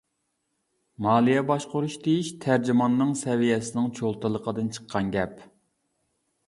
مالىيە باشقۇرۇش دېيىش تەرجىماننىڭ سەۋىيەسىنىڭ چولتىلىقىدىن چىققان گەپ.